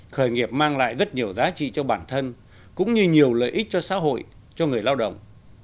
khởi nghiệp mang lại rất nhiều giá trị cho bản thân cũng như nhiều lợi ích cho xã hội cho người lao động